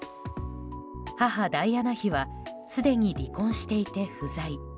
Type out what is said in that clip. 母ダイアナ妃はすでに離婚していて不在。